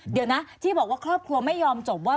เดี๋ยวนะที่บอกว่าครอบครัวไม่ยอมจบว่า